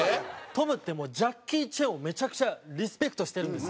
トムってジャッキー・チェンをめちゃくちゃリスペクトしてるんですよ。